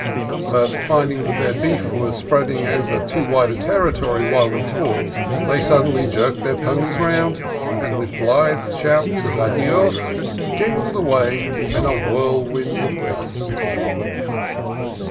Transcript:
' 'But, finding that their beef was spread ing over too wide a territory while we talked, they suddenly jerked their ponies round and with blithe shouts of " Adiosl" jingled away in a whirlwind of dust.